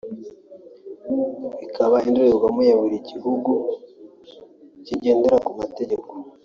bukaba n’indorerwamo ya buri gihugu kigendera ku mategeko